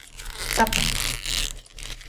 Sapyns.